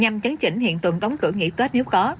nhằm chấn chỉnh hiện tượng đóng cửa nghỉ tết nếu có